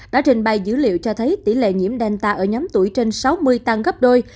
đã trình bày dữ liệu cho thấy tỷ lệ nhiễm delta ở nhóm tuổi trên sáu mươi tăng gấp đôi